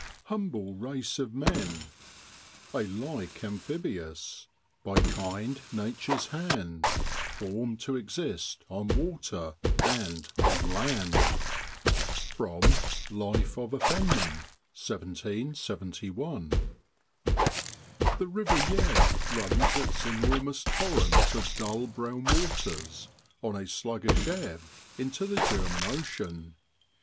' Humble race of men, Alike amphibious, by kind nature's hand Forrn'd to exist on water and on land.' Life of a Fenmatij 1771. HE river Yare runs its enormous torrent of dull brown waters, on a sluggish ebb, into the German Ocean.